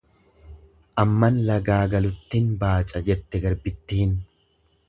Amman lagaa galuttin baaca jette garbittiin.